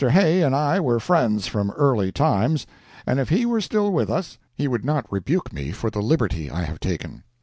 Hay and I were friends from early times, and if he were still with us he would not rebuke me for the liberty I have taken.